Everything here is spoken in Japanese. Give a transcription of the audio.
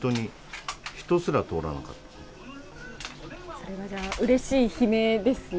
それはうれしい悲鳴ですね。